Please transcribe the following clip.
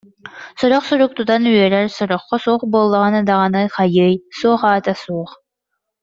Сорох сурук тутан үөрэр, сороххо суох буоллаҕына даҕаны хайыай, суох аата суох